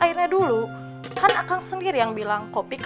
aku mau ke tempat yang lebih baik